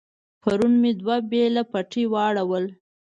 پرون مې دوه بېله پټي واړول.